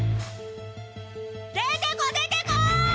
出てこ出てこ！